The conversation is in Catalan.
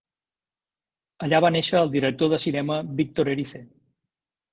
Allà va néixer el director de cinema Víctor Erice.